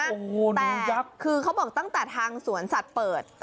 แต่ยักษ์คือเขาบอกตั้งแต่ทางสวนสัตว์เปิด